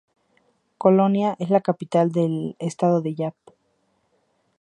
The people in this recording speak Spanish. Colonia es la capital del estado de Yap.